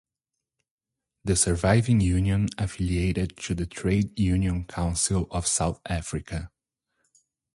The surviving union affiliated to the Trade Union Council of South Africa.